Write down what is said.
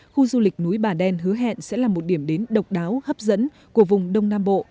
khu du lịch núi bà đen hứa hẹn sẽ là một điểm đến độc đáo hấp dẫn của vùng đông nam bộ